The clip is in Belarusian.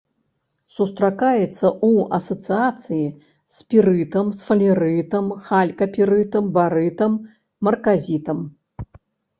Сустракаецца ў асацыяцыі з пірытам, сфалерытам, халькапірытам, барытам, марказітам.